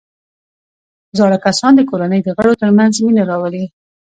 زاړه کسان د کورنۍ د غړو ترمنځ مینه راولي